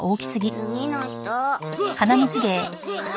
次の人！